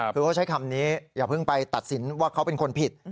คือเขาใช้คำนี้อย่าเพิ่งไปตัดสินว่าเขาเป็นคนผิด